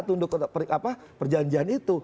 tunduk ke perjanjian itu